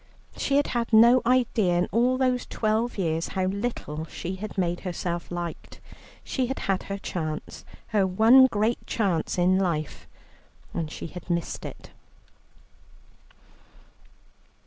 She had had no idea in all these twelve years how little she had made herself liked. She had had her chance, her one great chance, in life, and she had missed it.